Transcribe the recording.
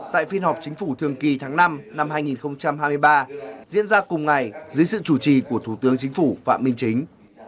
tại phiên họp chính phủ thường kỳ tháng năm năm hai nghìn hai mươi ba diễn ra cùng ngày dưới sự chủ trì của thủ tướng chính phủ phạm minh chính